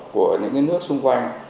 của những nước xung quanh